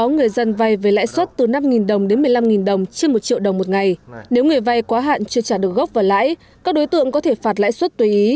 nếu người vay quá hạn chưa trả được gốc và lãi các đối tượng có thể phạt lãi suất tùy ý